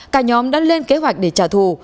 cả nhóm đã lên kế hoạch để trả thù